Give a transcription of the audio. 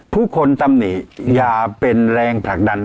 ผู้คนตำหนิอย่าเป็นแรงผลักดัน